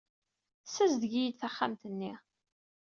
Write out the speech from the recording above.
Tessazdeg-iyi-d taxxamt-nni.